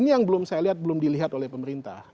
ini yang belum saya lihat belum dilihat oleh pemerintah